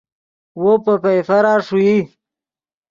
وو پے پئیفرا ݰوئی